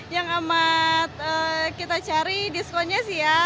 yang amat kita cari diskonnya sih ya